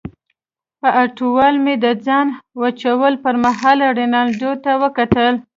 په اټوال مې د ځان وچولو پرمهال رینالډي ته وکتل.